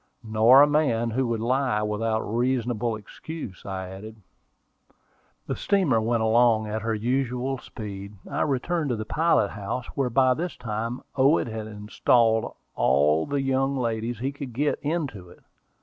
"Nor a man who would lie without a reasonable excuse," I added. The steamer went along at her usual speed. I returned to the pilot house, where by this time Owen had installed all the young ladies he could get into it.